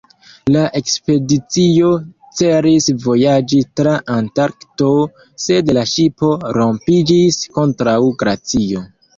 La ekspedicio celis vojaĝi tra Antarkto, sed la ŝipo rompiĝis kontraŭ glacio.